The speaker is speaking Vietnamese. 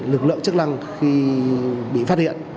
lực lượng chức năng khi bị phát hiện